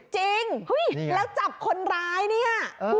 จริงแล้วจับคนร้ายเนี่ย